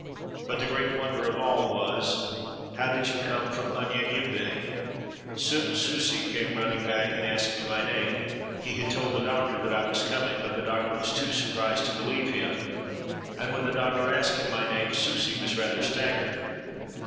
But the great wonder of all was, "How did you come from Unyan yembe?" 395 WESTERN AND CENTRAL AFRICA Soon Susi came running back, and asked me my name; he had told the Doctor that I was coming, but the Doctor was too surprised to beUeve him, and, when the Doctor asked him my name, Susi was rather staggered.